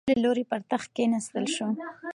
د ورور له لوري پر تخت کېناستل شو.